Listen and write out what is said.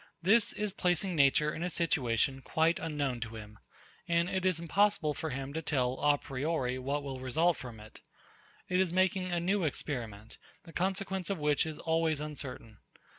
This is placing nature in a situation quite unknown to him; and it is impossible for him to tell _a priori _what will result from it. It is making a new experiment, the consequence of which is always uncertain.